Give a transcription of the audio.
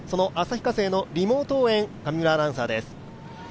旭化成のリモート応援、上村アナウンサーです。